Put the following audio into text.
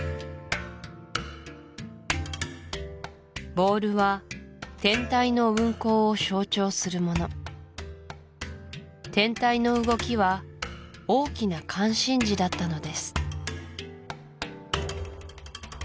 ボールは天体の運行を象徴するもの天体の動きは大きな関心事だったのです